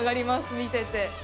見てて。